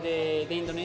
karena ini adalah